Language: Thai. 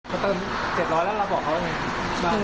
พระเติม๗๐๐หน้าละบอกเขายังอยู่มึง